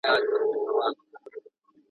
پوهان هیڅکله خپلي څېړني پر اوازو نه استواروي.